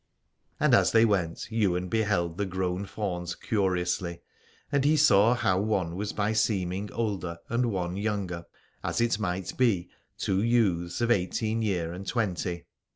And as they went Ywain beheld the grown fauns curiously : and he saw how one was by seeming older and one younger, as it might be two youths of eighteen year and twenty.